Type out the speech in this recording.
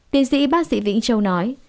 tiến sĩ bác sĩ vĩnh châu nói